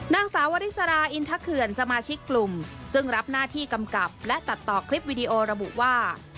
นางสาววริสราอินทะเขื่อนสมาชิกกลุ่มซึ่งรับหน้าที่กำกับและตัดต่อคลิปวิดีโอระบุว่า